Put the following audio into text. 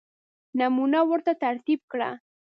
نمونه ورته ترتیب کړه.